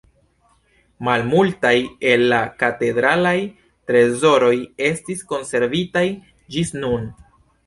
Malmultaj el la katedralaj trezoroj estis konservitaj ĝis nun.